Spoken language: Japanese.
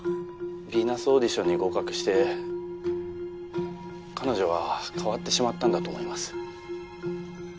ヴィーナスオーディションに合格して彼女は変わってしまったんだと思います。